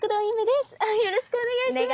よろしくお願いします。